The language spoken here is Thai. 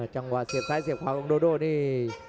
จังหวะเสียบซ้ายเสียบขวาของโดโด่นี่